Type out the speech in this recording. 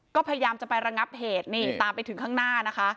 ก็พยายามจะไประงับเหตุนี่ตามไปถึงข้างหน้านะคะ